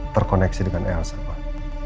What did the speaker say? terkoneksi dengan elsa pak